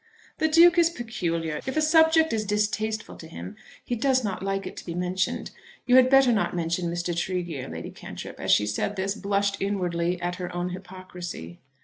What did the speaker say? "The Duke is peculiar. If a subject is distasteful to him he does not like it to be mentioned. You had better not mention Mr. Tregear." Lady Cantrip, as she said this, blushed inwardly at her own hypocrisy.